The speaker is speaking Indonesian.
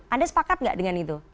anda sepakat nggak dengan itu